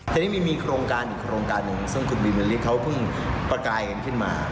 ทีนี้มีโครงการอีกโครงการหนึ่งซึ่งคุณบินมะลิเขาเพิ่งประกายกันขึ้นมา